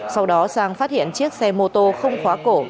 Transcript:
sau đó sang phát hiện chiếc xe mô tô không khóa cổ